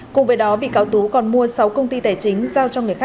cùng với đó bị cáo tú còn mua sáu công ty tài chính giao cho người khác